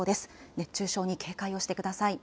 熱中症に警戒をしてください。